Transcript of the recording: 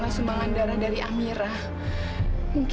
ibu juga nggak tahu nak